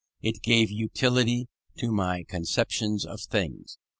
It gave unity to my conceptions of things.